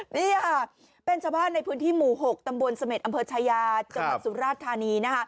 นี่ค่ะเป็นชาวบ้านในพื้นที่หมู่๖ตำบลเสม็ดอำเภอชายาจังหวัดสุราชธานีนะคะ